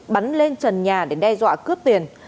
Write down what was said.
bắn lên trần nhà để đe dọa cướp tiền